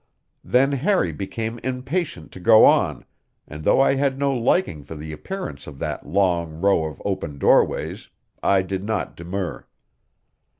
Then Harry became impatient to go on, and though I had no liking for the appearance of that long row of open doorways, I did not demur.